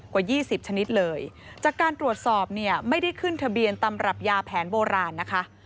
กว่า๒๐ชนิดเลยจากการตรวจสอบเนี่ยไม่ได้ขึ้นทะเบียนตำรับยาแผนโบราณนะคะ